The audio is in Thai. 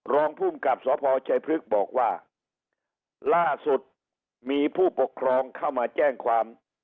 รองภูมิกับสพชัยพฤกษ์บอกว่าล่าสุดมีผู้ปกครองเข้ามาแจ้งความ